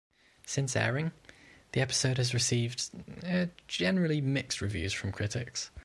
Since airing, the episode has received generally mixed reviews from critics.